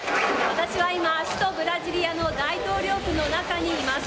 私は今、首都ブラジリアの大統領府の中にいます。